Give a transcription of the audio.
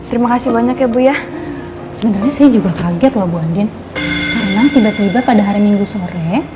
terima kasih banyak ya bu ya sebenarnya sih juga kaget lo bu andien tiba tiba pada hari minggu sore